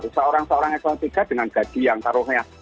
seorang seorang elon tiga dengan gaji yang taruhnya